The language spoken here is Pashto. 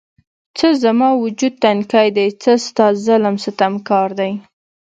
څه زما وجود تنکی دی، څه ستا ظلم ستم کار دی